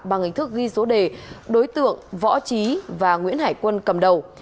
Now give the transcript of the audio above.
bằng hình thức ghi số đề đối tượng võ trí và nguyễn hải quân cầm đầu